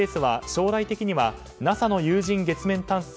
将来的にはＮＡＳＡの有人月面探査